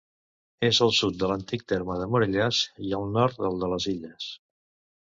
És al sud de l'antic terme de Morellàs i al nord del de les Illes.